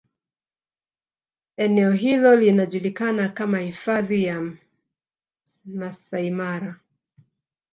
Eneeo hilo linajulikana kama Hifadhi ya Masaimara